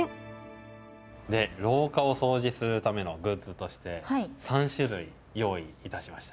廊下をそうじするためのグッズとして３種類用意いたしました。